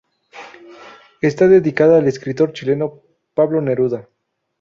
Está dedicada al escritor chileno Pablo Neruda.